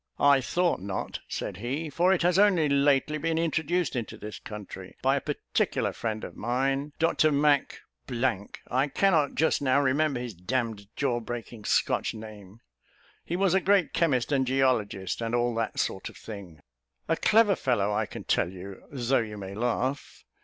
"I thought not," said he, "for it has only lately been introduced into this country, by a particular friend of mine, Dr Mac . I cannot just now remember his d d jaw breaking Scotch name; he was a great chemist and geologist, and all that sort of thing a clever fellow I can tell you, though you may laugh.